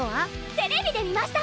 テレビで見ました！